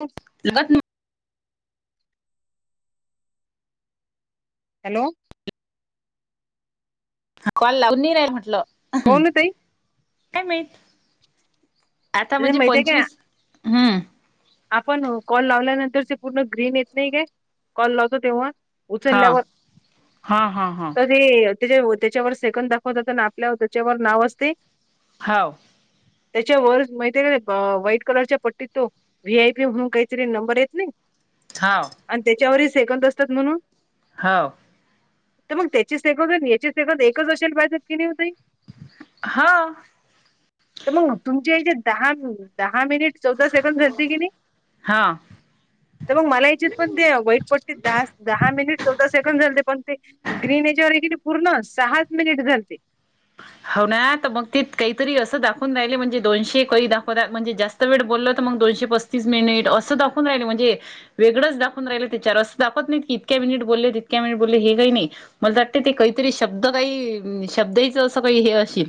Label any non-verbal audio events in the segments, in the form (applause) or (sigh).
ब लगाच नु हॅलो हा कॉल लागुन नी राय म्हटलं. कोण ओ ताई? काय माहित, आता अरे म्हणजे माहितीय काय पंचवीस, हम्म, आपण कॉल लावल्यानंतरचे पूर्ण ग्रीन येत नाही काय कॉल लावतो तेव्हा हा उचलल्यावर-कट हा हा हा ते त्या त्याच्यावर सेकंद दाखवतात आणि आपल्यावर त्याच्यावर नाव असते. हाव. त्याच्या वर माहिती ये का ते व्हाईट कलरच्या पट्टीत तो व्ही आय पी म्हहून काहीतरी नंबर येत नाही. हाव. आणि त्याच्यावरही सेकंद असतात म्हणून हावं. तर मग त्याची सेकंद नं याची सेकंद एकच असेल पाहिजेल कि नाय ओ ताई हा त मग तुमच्या ह्याच्यात दहा दहा मिनिट चौदा सेकंड झालती कि नाय. हा त मंग मला याचेत पण ते वाईट पट्टीत दहा दहा मिनिट चौदा सेकंड झालते पण ते ग्रीन याच्यावर हे की नय पूर्ण सहाच मिनिट झालते. हाव ना त मग ते काहीतरी असं दाखवून राहिले म्हणजे दोनशे कही दाखवता म्हणजे जास्त वेड बोलल तर मंग दोनशे पस्तीस मिनिट असं दाखवून राहिले म्हणजे वेगंडच दाखवून राहिलं तेच्यावर असं दाखवत नाहीत की इतक्या मिनिट बोलले तितक्या मिनिट बोलले हे काही नाही. मला वाटतं ते काहीतरी शब्द काही शब्द ही चं असं काही हे अशील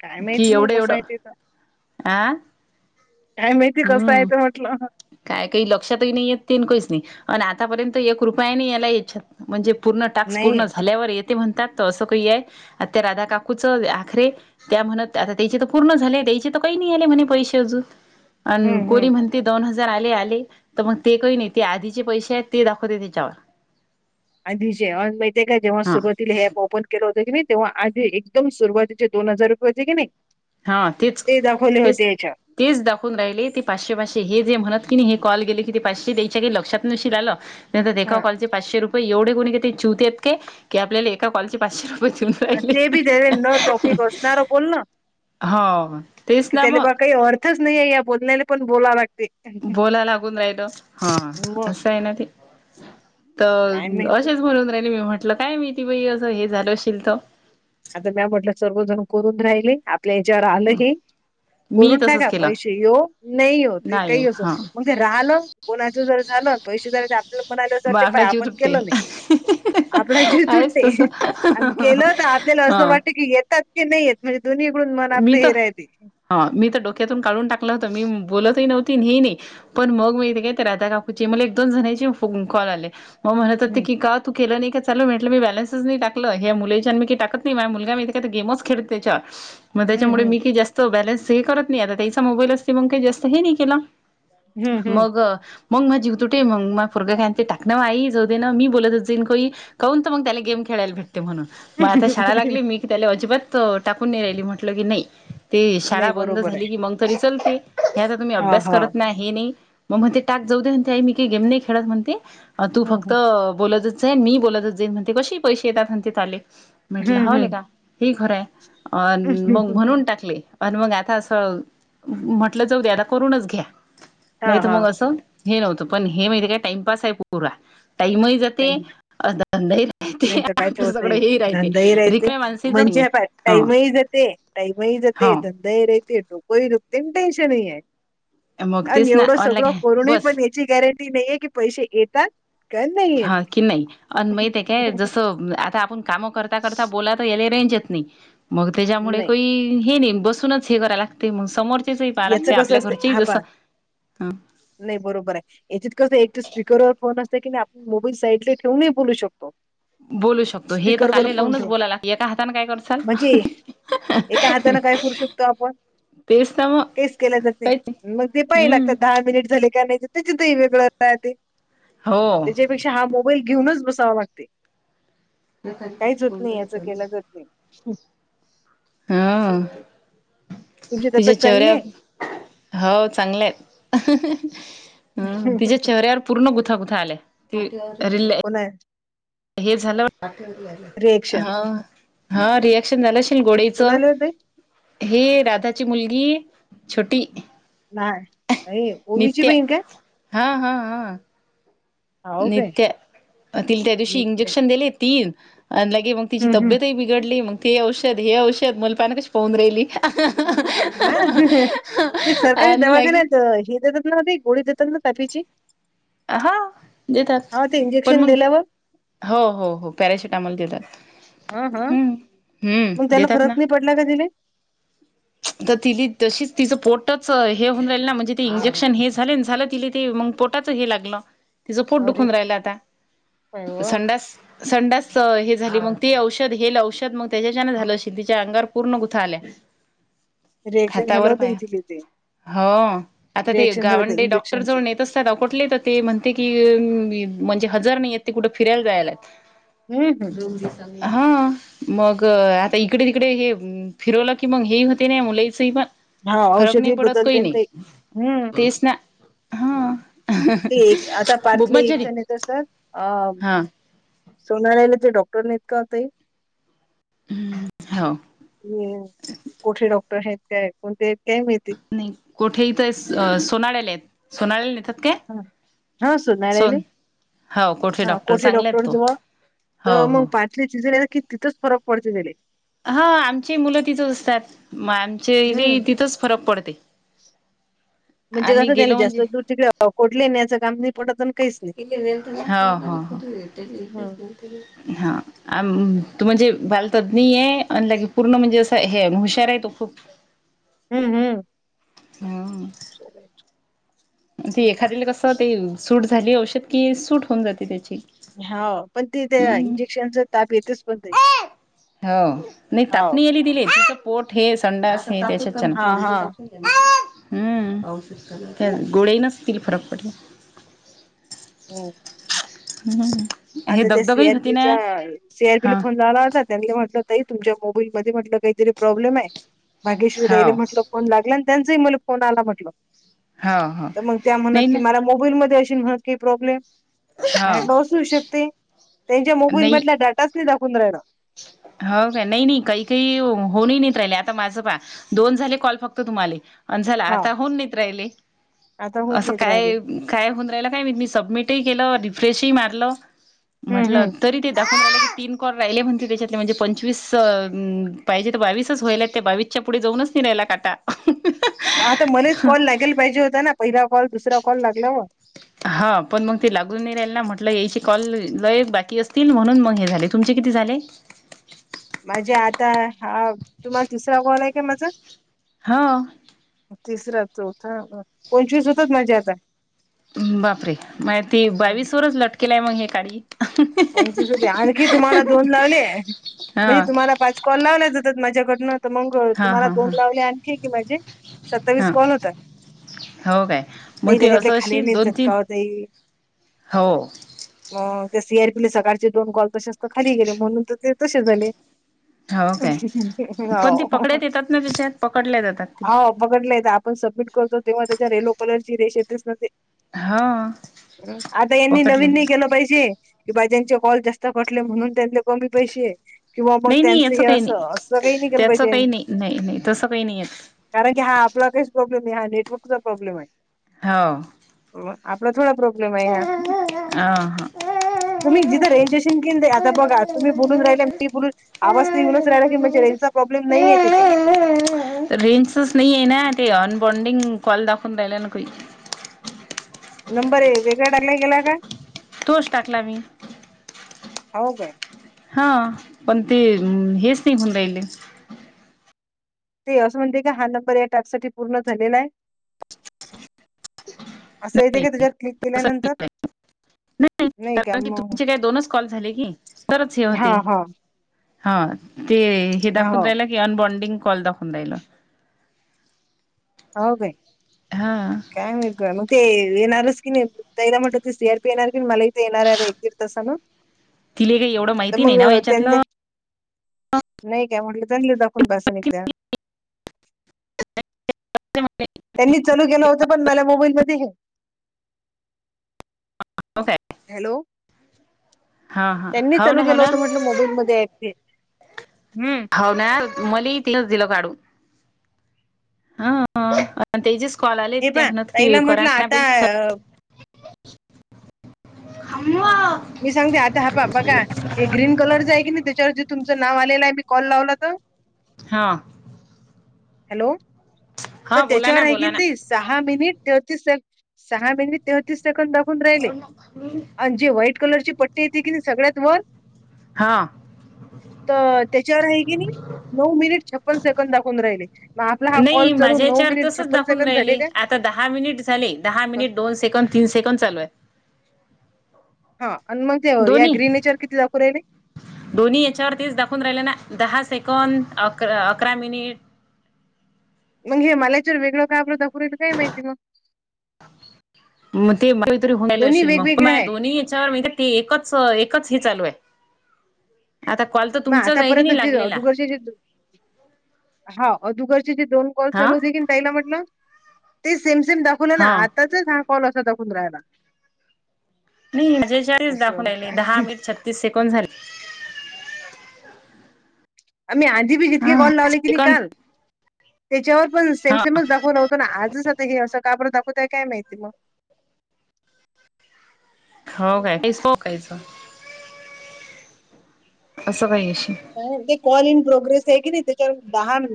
काय की माहिती मग एवढं कसं एवढं आहे ते आं काय माहिती कसं हायत म्हटलं. काय काही लक्षातही नाही येत तीन कहीच नाही अनं आतापर्यंत एक रुपया नही आंला याच्यात नं. म्हणजे पूर्ण टाक्स नाही पूर्ण झा झाल्यावर येते म्हणतात त असं कही ये आता त्या राधा काकूचं आखरे त्या म्हणत आता त्यायचे तर पूर्ण झाले त्यायचे तर कय नाही आले म्हणे पैसे अजून अनं हम्म कोणी हम्म म्हण दोन हजार आले आले त मग ते कय नाही ते आधीचे पैसे आहेत ते दाखवते त्याच्यावर आधीचे अनं माहित ये का जेव्हा हा सुरुवातिला हे ऍप ओपन केल होत की नाय तेव्हा आधी एकदम सुरवातीचे दोन हजार रुपये होते की नय हा तेच ते दाखवले तेच होते याच्यावर तेच दाखवून राहिले ते पाचशे पाचशे हे जे म्हणत की नही हे कॉल गेले की ते पाचशे द्यायचे काय लक्षात नशील आंलं. म्हणतात हा एका कॉलचे पाचशे रुपये एवढे कोणी काय ते चुतीये आहेत काय की आपल्याला एका कॉलचे पाचशे रुपये देऊन अनं ते बी त्याने राहिले नं टॉपीक असणार बोलन हो तेच की ना त्याले बा मग काही अर्थ च नाहीे या बोलल्या पण बोला लागत. बोलाय लागून राहित हा मग असं आहे ना ते. तर काय माहिती असेच म्हणून राहिणे मी म्हंटलं काय मीती बई असं हे झालं अशील तर. आता म्या म्हटलं सर्वजण करून राहिले आत्ता च्यावर आलंही मी करून तसच टाका केलं पैसे ये नाही हो ते नाही काही असो हा मग. राहिलं कोणाच जर झालं पैसे ज आपल्याला म्हणाल्या असं मग वाटे पाय आपला जीव आपण तुटते केलं नाही. आपला झीज आहेच तस उटते आणि केलं होत आतल्या असं हा वाटत की येतात की नाही येत म्हणजे दोन्हीकडून मन आपलं हे राह ह मी तर डोक्यातून काढून टाकलं होतं मी बोलतही नव्हती हे न्हवती नी पण मग मी काय राधा काकूची म एक दोन जणांची कॉल आले मग म्हणत होते हम्म की का तू केलं नाही का चाल म्हटलं मी बॅलन्स नाही टकलं ह्या मुं मी टाकत नाही माझ मुलगा ते का ते गेमच खळ त्याच्या ह मग हम्म त्याच्यामुळे मी काही जास्त बॅलेन्स हे करत नाही आता त्याचा मोबाईल असते मग काही जास्त हे नाही केला. हम्म हम्म मग मग मग जिवतुे मग फुगा खायनते टाकं आही जाऊ दे ना मी बोलत होतेेन काही (unintelligible) काऊून तर मग त्याला गेम खेळायला भेटते म्हणून. मग आता शाळा हम्म लागली मी की त्याला अजिबात टाकून न राहिली म्हटल की नाही. ते शाळा नाही बंद बरोबर झाली आहे की मग तरी चलते ह्याचा तुम्ही हा अभ्यास हा करत नाही. हे नाही मग मग ते टाक जाऊते ते आई मी काही गेम नाही खेळत म्हणते तू हम्म फक्त बोत. सन मी बोलतच जाईन म्हणते कसे पैसे येतात म्ह ते ले म्हंटलं हम्म हम्म हवले हम्म. का. ही खरं अ मग म्हणून टाकली. आणि मग आता असं म्हटलं जाऊ दे आता करूनच घ्या हा नाही तर हा मग असं हे नव्हतं पण हे माहितीे काय टाइमपास आहे पुरा टाईमही जात ते टाइम (unintelligible) (inaudible) धंदही राहते नाही तर काय तर आपलं सगळं होतंय हे राहते रिक्या माणसच टाइम ह जते टाईम ह जात धंदे रहते डोक ह ुकते टेनशन ह आहे. मग तेच आणि ना एवढं सगळं ऑनलाईन करूनही बस पण याची गॅरंटी नाहीये की पैसे येतात का नाही. हा येत. की नाही अ माहित आहेे काय जसं आता आपण काम करता करता बोलात या थ रेंज येत नाही मग त्याच्या मुळे नाही. की ही नाय बसून च हे करायल लागत मग समोरचेले. (unintelligible) पार याचं लागते कसं आपल्या घरचे जस ह. नाय बरोबर हाय. याच्यात कसं एक स्पीकरवर फोन असते की नाही आपण मोबाईल साईटले ठेवूनही बोलू शकतो. बोलू शकतो हे तर स्पीकरवर काले फोन लावूनच ठेवून बोलायलाग एका हाताान काय करसाल. म्हणजे एका हाताानं काय करू शकतो आपण. तेसता म. काहीच केल्या जाते मग जे पाहाय लागतात दहा मिनिट झाले का नाही त्याच तेही वेगळं राहते. हो म्हणजे हा मोबाईल घेऊनच बसावा लागते काहीच होत नाही याच केलं जात नाही. अ् (unintelligible) हा तुमची तब्येत तिच्या्या चांगली चेऱ्याव आहे हो चांगले आहेत (unintelligible) तिच्या्या चेऱ्यावर पूर्ण बुथा बुथा आले किरे (unintelligible) हो नाय. हे झालं रिएक्शन हा रिया झालंल गोडेच कोणाला होते? हे राधाची मुलगी छोटी. ह नाय अ ओवीची नित्या बहीण काय? हा हा हा हाव न काय? त्या तिले त्या दिवशी नेक्स्ट टाइम. इंजेक्शन दिले ती आणि लगे मग तिची हं, हं. तब्येतही बिघडली मग ते औषध हे औषध मलपानाकच पाहून राहिली. ह (unintelligible) ते सरकारी आणि लाग दवाखान्यात हे देतच नव्हती गोडी देतात ना तापीची हा देतात हा ते पण इंजेक्शन मग दिल्यावर. हो हो हो पॅराशूट आम्हाला देतात. हा हा हम्म हम्म मग त्यांना देतात फरक ना नाही पडला का तिला? तर ति तशीच तिचं पोटच हे होऊन राहिल ना म्हणजे ते इंजेक्शन हे झाले झालं ति ते मग पोट पोटाच हे लागलं तिचं पोट अरे दुखून राहिलं आता काय हो. संडास संडास हे झाली मग तेी औषध हे औषध मग त्याच्याच्यान झालं अ तिच्या अंगार पूर्ण गुथा आल्या. रिएक्शन झालं हातावर होतं पाया इथले ते. हो आता ते रिएक्शन झालं होतं गावंडे डॉक्टर इंजेक्शनचं. जवन येत. तकठले तर ते म्हणते की म्हणजे हजार नाहीय आहेत ते कुठं फिरायला जायलात हं, हं. (unintelligible) हा मग आता इकडे तिकडे हे फिरवलं की मग हे होत. तने मुलेैस प. हा औषधी बदलतेल ते हम्म. तेच ना हा ते एक आता खूप पार्थला मज्जा आली इथं नाही तर सर अ हा सोनायालचे डॉक्टर नाहीत का ताई? हाव. ते कुठे डॉक्टर आहेत काय कोणते काय माहीती? नाही कोठे इथ सोनाळ्याले आहेत. सोनालेल नेतात का हां, हां सोनाळ्याले सोन हो कुठे हा डॉक्टर कोठे चांगलेत तो हो हो. कि तिथच फरक पडते गेले. हा आमची मुलं तिथं असतात. ली हम्म. तिथच फरक पडते आम्ही गेलो म्हणजे कोटले नण्याचं काम पोटण काहीच नाही. हा हा हम्म. हा हं. अम तू म्हणजे बालतज्ञ आहे आणिे पूर्ण म्हणजे असं हे हुशार आहे तो खूप. हम्म हम्म. हा. अर. ते एखाद कसं ते सूट झाली औषध कि सूट होऊन जाते त्याची. हा पण ते त्या हम्म इंजेक्शनचा ताप येतच पण हो. ली दिले. पोट हे संडास हे त्याच्यात हा हा. हम्म. गोळे नचतील फरक पडला. हम् हम्म. हे आता त्या सी दगदगही होती ना आरपीच्या सी आरपीला हा फोन झाला होता. त्यां म्हटलं तई तुमच्या मोबाईल मध्ये म्हटलं काहीतरी प्रॉब्लेम आहे भाग्यश्री तईले हो म्हटलं फोन लागला आणि त्यांचाही मला फोन आला म्हटल. हो हो तर मग त्या म्हणत नाही की ना मला मोबाईलमध्येध्ये अशी म्हणत की प्रॉब्लेम हो मालं असू शकते त्यांच्या मोबाईल नाही मधल्या डाटाच नाही दाखवून राहिला. हो का नाही नाही काही काही होन नाहीत राहिले आता माझं पाहा दोन झाले कॉल फक्त तुम्हाला प झाला हा आता होऊन नाहीत राहिले. आता होऊन असं नाहीत राहिले. काय? काय होऊन राहिल काय मी सबमिट केलं रिफ्रेशही मारलं हम्म म्हटलं हम्म तरी दाखव तीनर राहिले म्ह त्याच्यातले म्हणजे पंचवीस पाहिजे तर बावीसच व्हाल त्या बावीसच्या पुढे जाऊनच नि राहिला काटा. आता मनेच कॉल लागेल पाहिजे होता ना पहिला कॉल दुसरा कॉल लागलावर हा पण मग ते लागून नाही राहील ना म्हटलं यायचे कॉल ल एक बाकी असतील म्हणून मग हे झाले तुमचे किती झाले? म्हणजे आता हा तुम्हाला तुम्हाला तीसरा कोलयका माझा हा. तिसरा चौथा पंचवीस होताात माझ्या आता बापरे मग ते बावीस वरच लटकेलय मग हे काढ पंचवीस हो आणखी तुम्हाला दोन लावले म्हणजे हा तुम्हाला पाच कॉल लावल्या जातात माझ्याकडनं तर मग हा तुम्हाला हा दोन हा लावले आणखी की म्हणजे सत्तावीस हा कॉल होतात हो काय त मग ते तले असं खाली असशील नाही दोन तीन झटकाव ताई हो अ त्या सी आर पीले सकाळचे दोन गॉल तसे अस खाली गेले म्हणून तर ते तसे झाले हो काय हो. पण ती पकडत येतात ना तिच्यात पकडल्या जातात ती वगडलंय आपण सबमिट करतो तेव्हा त्याच्या रेलो कलरची रेशेतस नते हो आता यांनी नवीन नाही केलं पाहिजे किं बा त्यांचे कॉल जास्त कटले म्हणून त्यां कमी पैसे किंवा मग नाही त्यांचं याचं हे काही असं नाही असं काही निघेल त्याचं पाहिजे काही नाही नाही नाही तसं काही नाही येत कारण की हा आपला काहीच प्रॉब्लेम नाही हा नेटर्कचा प्रॉब्लेम आहे हो आपला थोडा प्रॉब्लेम आहे ह्या आ हा तुम्ही जिथं रेंजेशन घेन दे आता बघा तुम्ही बोलून राहिला मी बोलून आवाज तर येऊनच राहियला की म्हणजेचा प्रॉब्लेम नाही आहे त्याच्यात रेंजचच नाहीये ना ते अनबॉडिंग कॉल दाखवून राहिला ना नंबर वेगळा टागला गेला का तोष टाकला मी हो काय? हा पण ते हेच नाही होऊन राहिलं ते असं म्हणते काी हा नंबर या टॅपसाठीठी पूर्ण झालेला आहे असं येते नाही की नाही तुझ्यावर क्लिक तसं केल्यानंतर नाही नाही का म द हा. हो अन बनडिंग कॉल दखून राईल हो काय हा काय मगे येनार स्कीिन तैला म्हट सर येनणारी मलय येणारार अ एक यगिरस ना तिला काही एवढं माहिती नाही ना म त्यांले याच्यातलं नाही काय म्हलं जणले दखूनपासून एकदा्या ह त्यांनी चलू केलं होतं पण मला मोबाईल मध्ये हे ह काय हॅलो हा त्यांनी हा हो लू ना हो गेल ना होत म्हटलं मोबाईलमध्येध्ये चे ह् म त दिल काढू प तेचेेच कॉल आले हे ते पहा म्हणत कि ताईला म्हटलं कोराना प आता अ, हो मी सांगते आता हपापा का हे ग्रीन कलर जा आहे की नाही त्याच्यावर तुमचं नाव आलेलं आहे मी कॉल लावला तर हां हॅलो तर हा बोला त्याच्यावर ना आहे बोला कीन ना तस सहा मिनिट तेहतीस से सहा मिनिट तेहतीस सेकंड दाघून राहिले जे व्हाईट कलरचे पट्टेेते की सगळ्यात वर हा तर त्याच्यावर आहे की नाही नऊ मिनिट छप्पन सेकंद दाखवून राहिले मग आपला हा कॉल नाही चालू माझ्या नऊ चार मिनिट तसच छप्पन दाखवून सेकंड झाले राहिले काय आता दहा मिनिट झाले दहा मिनिट दन दो सेकड तीनेंड लू आहे हा आणि मग ते या ग्रीनेच्यार किती जाू राे दोनी याच्यावरतीच दाखवून राहिले ना दहा सेकंद अक अकरा मिनिट मग हे मलाच्वर वेगळ का आपलं दाखवईल काय माहिती मग मग तेतरी होऊनल दोन्ही असेल मग वेगवेगळे मा आहेत दोन्ही याच्यावर म्हे ते एकच एकच हे चालू आहे आतां कॉल तं मंग आतांपर्यंत जे अधुगरंचे जे हां अधुगरंचे जे दोन कॉल हा चालूं होते की तांईलां म्हटलं ते सेम सेम दाखवलं नां हा आताचं हां कॉल असां दाखवूंन राहिलां नाहीं म्हणजे चाळीसं दाखवूंन असं राहीले काय दहा मिनिटं छत्तीस सेकोन झाले आम्हीं आधी जितकें हा कॉल लावलें की नाहीं सेकंद कांल त्यांच्यावर पणं हा सेमसेमचं दाखवतो नां आजंच असं कांबर दाखवतं आहे माहिती नाहीं बां हो कायं संहोच कायं चं असं कांहीं अशील ते कॉल इनं प्रोग्रेस आहे कि नाहीं त्यांच्यावर दहा मि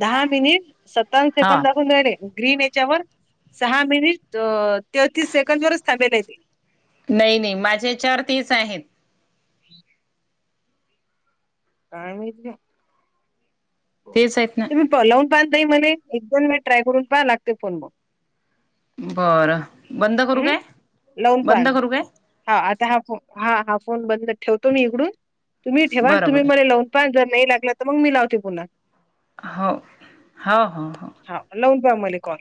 दहा मिनिट सत्तावन्न हा सेकंद दाखवूंन राहिले ग्रीन यांच्यावर सहां मिनिटं तेहतीसं सेकंड वरचं थांबेल आहे ते नाहीं नाहीं माझ्यां तेचं आहेतं कायं माहीती तेचं आहेतं नां तुम्हीं लावूंन पाहनं नाहीं मणे एक दोन मिनिटं ट्राय करूंन पाहां लागते फोन मंग बरं बंद करूं कायं बंद करूं कायं हां आतां हां फोन हां हां फोन बंद ठेवतो मी इकडूंन तुम्हीं ठेवां बरं तुम्हीं बरं मलां लावूंन पणं जरं नाहीं लागलां तरं मंग मी लावते पुन्हां होव होव हो हो हांव लांऊन पहां मले कॉल